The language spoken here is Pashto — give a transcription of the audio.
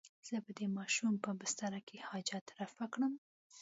زه به د ماشوم په بستره کې حاجت رفع کړم.